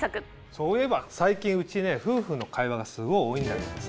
そういえば最近うちね夫婦の会話がすごい多いんだけどさ